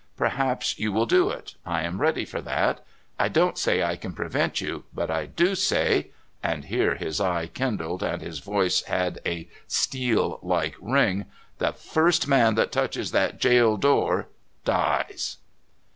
Perhaps you will do it — I am ready for that. I don't say I can prevent you, but I do say" — and here his eye kindled and his voice had a steel like ring —" the first man that touches that jail door dies!